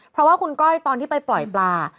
เพราะว่าคุณก้อยตอนที่ไปปล่อยปลา